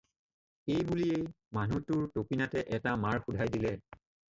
এই বুলিয়েই, মানুহটোৰ তপিনাতে এটা মাৰ শোধাই দিলে।